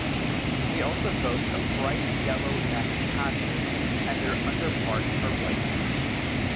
They also boast of bright yellow neck patches, and their underparts are white.